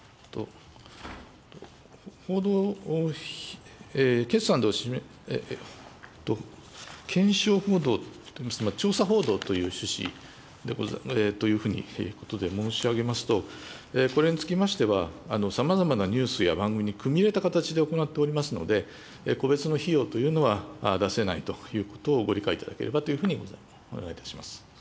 報道、検証報道、調査報道という趣旨ということで申し上げますと、これにつきましては、さまざまなニュースや番組に組み入れた形で行っておりますので、個別の費用というのは出せないということを、ご理解いただければというふうにお願いいたします。